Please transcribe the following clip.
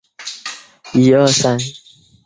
未收录在其专辑里的单曲